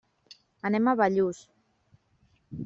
Anem a Bellús.